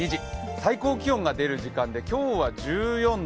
最高気温が出る時間で今日は１４度。